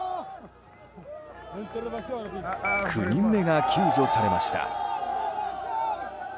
９人目が救助されました。